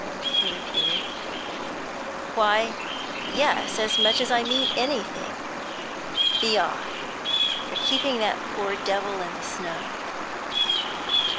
he repeated, 'why, yes, as much as I mean anything. Be off; you're keeping that poor devil in the snow.'